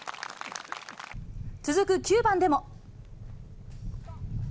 続く９番でも。